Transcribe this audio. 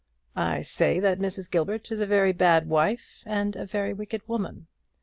I say that Mrs. Gilbert is a very bad wife and a very wicked woman.